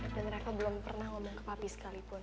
dan reva belum pernah ngomong ke papi sekali pun